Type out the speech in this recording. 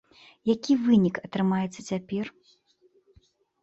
Які вынік атрымаецца цяпер?